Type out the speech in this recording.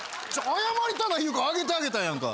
謝りたない言うから上げてあげたやんか。